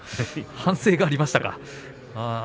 反省がありましたか。